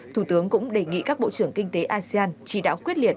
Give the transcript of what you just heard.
thủ tướng cũng đề nghị các bộ trưởng kinh tế asean chỉ đạo quyết liệt